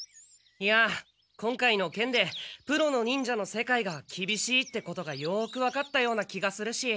いや今回の件でプロの忍者の世界がきびしいってことがよくわかったような気がするし。